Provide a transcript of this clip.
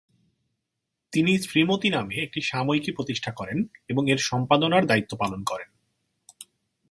তিনি শ্রীমতি নামে একটি সাময়িকী প্রতিষ্ঠা করেন এবং এর সম্পাদনার দায়িত্ব পালন করেন।